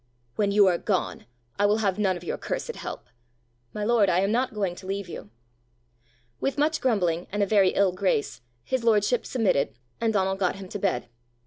"When you are gone. I will have none of your cursed help!" "My lord, I am not going to leave you." With much grumbling, and a very ill grace, his lordship submitted, and Donal got him to bed.